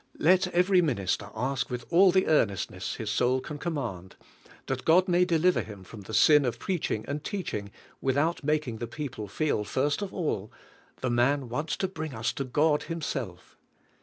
Let every min ister ask with all the earnestness his soul can com mand, that God may deliver him from the sin of preaching and teaching without making the people feel first of all: "The man wants to bring us to God Himself.